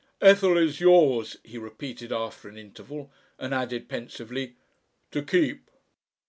"Ethel is yours," he repeated after an interval and added pensively "to keep."